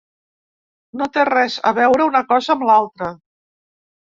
No té res a veure una cosa amb l’altra.